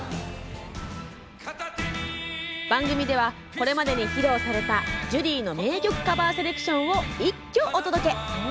番組では、これまでに披露されたジュリーの名曲カバーセレクションを一挙お届け。